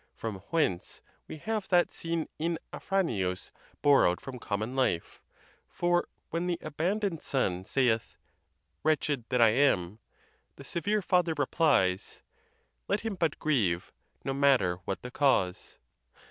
l'rom whence we have that scene in Afranius borrowed from common life; for when the abandoned son saith, " Wretched that I am!" the severe father replies, Let him but grieve, no matter what the cause.